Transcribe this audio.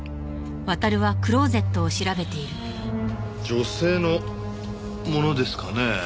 女性のものですかね？